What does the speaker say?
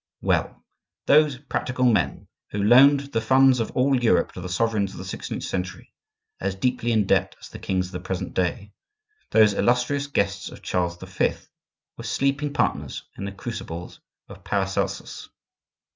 Well, those practical men, who loaned the funds of all Europe to the sovereigns of the sixteenth century (as deeply in debt as the kings of the present day), those illustrious guests of Charles V. were sleeping partners in the crucibles of Paracelsus.